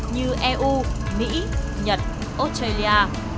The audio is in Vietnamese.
như eu mỹ nhật australia